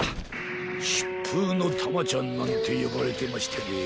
「しっぷうのタマちゃん」なんてよばれてましてねえ。